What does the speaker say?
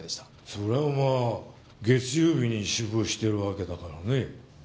そりゃまあ月曜日に死亡してるわけだからね。